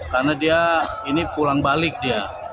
karena dia ini pulang balik dia